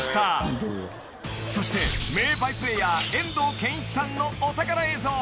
［そして名バイプレーヤー遠藤憲一さんのお宝映像］